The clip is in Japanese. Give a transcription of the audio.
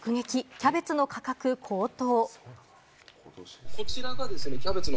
キャベツの価格高騰！